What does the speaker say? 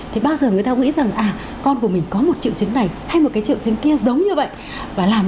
thì bao giờ người ta nghĩ rằng à con của mình có một triệu chứng này hay một cái triệu chứng kia giống như vậy và làm